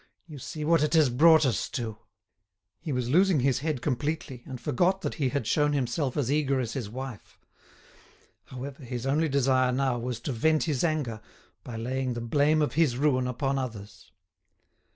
You see what it has brought us to." He was losing his head completely, and forgot that he had shown himself as eager as his wife. However, his only desire now was to vent his anger, by laying the blame of his ruin upon others.